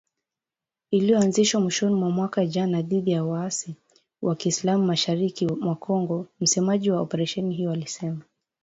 Iliyoanzishwa mwishoni mwa mwaka jana dhidi ya waasi wa kiislam mashariki mwa Congo msemaji wa operesheni hiyo alisema